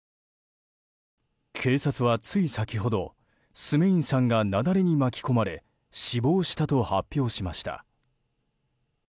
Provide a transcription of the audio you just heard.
警察はつい先ほどスメインさんが雪崩に巻き込まれ死亡したと発表しました。